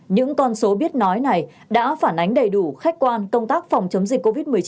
những con số biết nói này đã phản ánh đầy đủ khách quan công tác phòng chống dịch covid một mươi chín